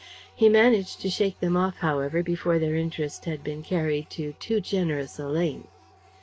He managed to shake them off, however, before their interest had been carried to too generous a length.